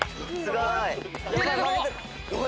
すごーい。